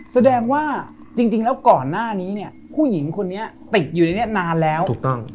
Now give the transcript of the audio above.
แสดงว่าจริงแล้วก่อนหน้านี้เนี่ยผู้หญิงคนนี้ติดอยู่ในนี้นานแล้วถูกต้อง